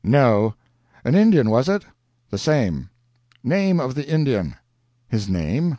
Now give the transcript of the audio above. "No. An Indian, was it?" "The same." "Name of the Indian?" "His name?